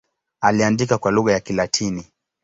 Aliandika kwa lugha ya Kilatini.